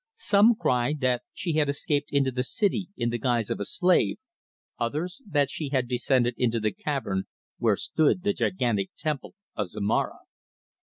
Some cried that she had escaped into the city in the guise of a slave, others that she had descended into the cavern where stood the gigantic Temple of Zomara.